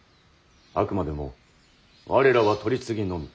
あくまでも我らは取り次ぎのみ。